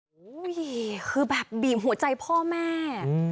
โอ้โหคือแบบบีบหัวใจพ่อแม่